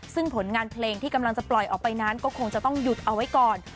ซึ่งผลงานเพลงที่กำลังจะปล่อยออกไปนั้นก็คงจะต้องหยุดเอาไว้ก่อน